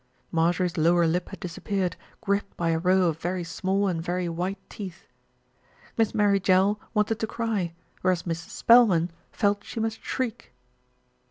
Marjorie's lower lip had disappeared, gripped by a row of very small and very white teeth. Miss Mary Jell wanted to cry, whereas Mrs. Spel man felt she must shriek.